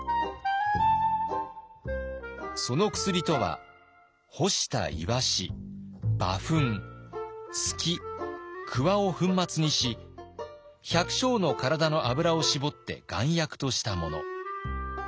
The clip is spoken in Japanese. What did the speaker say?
その薬とは干した鰯馬糞鋤鍬を粉末にし百姓の体の脂を搾って丸薬としたもの。